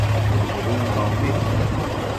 Nëdën caumbi